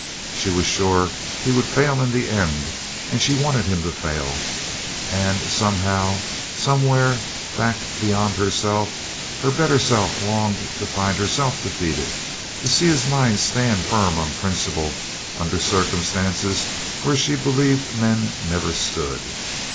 She was sure he would fail in the end, and she wanted him to fail; and somehow, somewhere back beyond herself, her better self longed to find herself defeated; to see this mind stand firm on principle, under circumstances where she believed men never stood.